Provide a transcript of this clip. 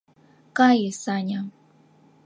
— Кае, Саня!